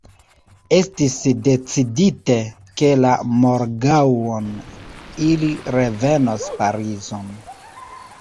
Estis decidite, ke la morgaŭon ili revenos Parizon.